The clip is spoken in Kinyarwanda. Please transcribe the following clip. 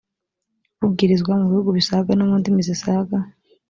bubwirizwa mu bihugu bisaga no mu ndimi zisaga